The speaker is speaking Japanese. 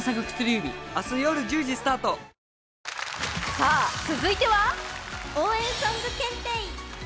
さあ、続いては応援ソング検定！